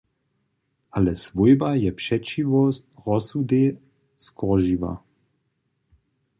Ale swójba je přećiwo rozsudej skoržiła.